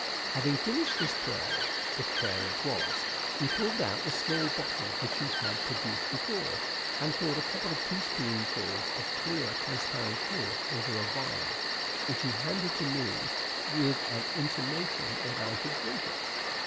Having finished this prayer, if prayer it was, he pulled out the small bottle which he had produced before, and poured a couple of teaspoonfuls of clear, transparent fluid into a vial, which he handed to me with an intimation that I should drink it.